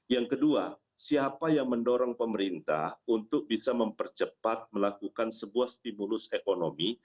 yang kedua siapa yang mendorong pemerintah untuk bisa mempercepat melakukan sebuah stimulus ekonomi